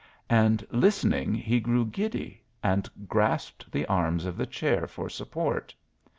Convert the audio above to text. And listening he grew giddy and grasped the arms of the chair for support.